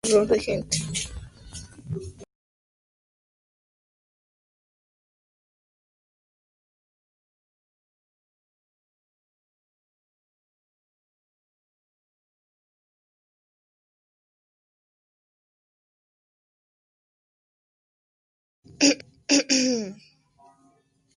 Se encuentra distribuida en zonas áridas del oeste del Mediterráneo.